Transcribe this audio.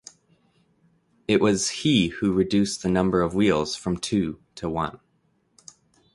It was he who reduced the number of wheels from two to one.